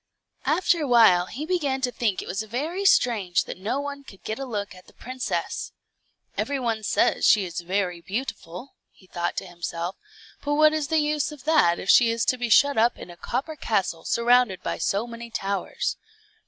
After a while he began to think it was very strange that no one could get a look at the princess. "Every one says she is very beautiful," thought he to himself; "but what is the use of that if she is to be shut up in a copper castle surrounded by so many towers.